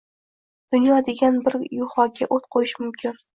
Dunyo degan bir yuhoga o’t qo’yish mumkin.